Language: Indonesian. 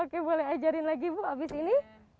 oke boleh ajarin lagi bu abis ini